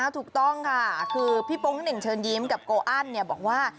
ถูกต้องค่ะคือพี่โป๊งเหน่งเชิญยิ้มกับโกอันบอกว่า